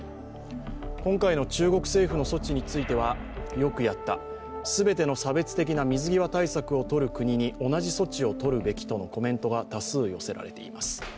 今回の中国政府の措置については、よくやった、全ての差別的な水際対策を取る国に同じ措置を取るべきとのコメントが多数寄せられています。